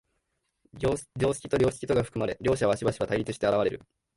常識と良識とが含まれ、両者はしばしば対立して現れる。